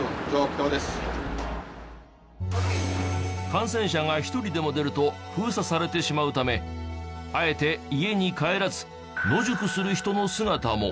感染者が１人でも出ると封鎖されてしまうためあえて家に帰らず野宿する人の姿も。